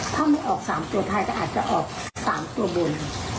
ถ้าไม่ออก๓ตัวภายก็อาจจะออก๓ตัวบน